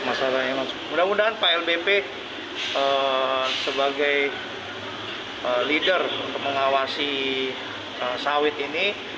mudah mudahan pak lbp sebagai leader untuk mengawasi sawit ini